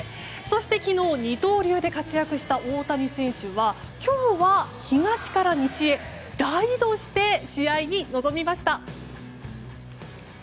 そして昨日、二刀流で活躍した大谷選手は今日は東から西へ大移動して試合に臨みました。